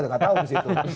nggak tahu di situ